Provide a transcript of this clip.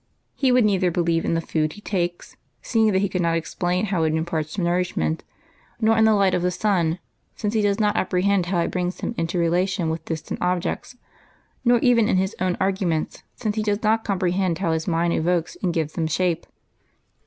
He would neither believe in the food he takes, seeing that he could not ex plain how it imparts nourishment, nor in the light of the sun, since he does not apprehend how it brings him into relation with distant objects, nor even in his own argu ments, since he does not comprehend how his mind evokes and gives them shape.